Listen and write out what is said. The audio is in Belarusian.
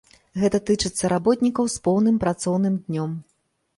Гэта тычыцца работнікаў з поўным працоўным днём.